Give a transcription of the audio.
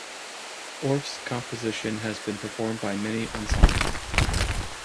Orff's composition has been performed by many ensembles.